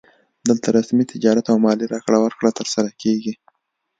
دلته رسمي تجارت او مالي راکړه ورکړه ترسره کیږي